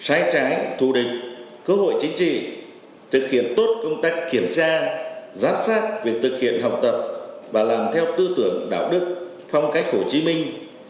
sai trái thù địch cơ hội chính trị thực hiện tốt công tác kiểm tra giám sát việc thực hiện học tập và làm theo tư tưởng đạo đức phong cách hồ chí minh